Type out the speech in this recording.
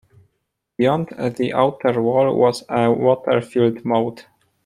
Beyond the outer wall was a water-filled moat.